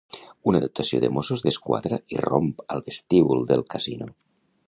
Una dotació de Mossos d'Esquadra irromp al vestíbul del casino.